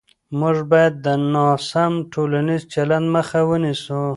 موږ باید د ناسم ټولنیز چلند مخه ونیسو.